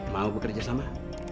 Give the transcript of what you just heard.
mau bekerja sama